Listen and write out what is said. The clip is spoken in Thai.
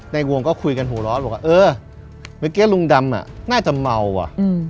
ในวงก็คุยกันหัวร้อนบอกว่าเออเมื่อกี้ลุงดำอ่ะน่าจะเมาอ่ะ